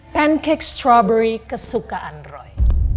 pancake strawberry kesukaan roy